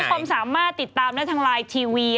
ความสามารถติดตามได้ทางไลน์ทีวี